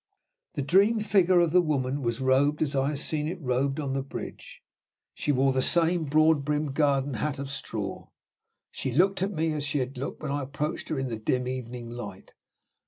The dream figure of the woman was robed as I had seen it robed on the bridge. She wore the same broad brimmed garden hat of straw. She looked at me as she had looked when I approached her in the dim evening light.